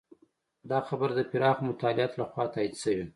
دا خبره د پراخو مطالعاتو لخوا تایید شوې.